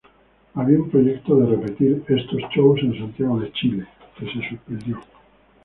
Había un proyecto de repetir estos shows en Santiago de Chile, que se suspendió.